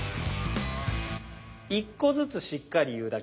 １個ずつしっかり言うだけ。